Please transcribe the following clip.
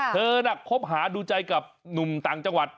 เธอน่ะคบหาดูใจกับหนุ่มต่างจังหวัด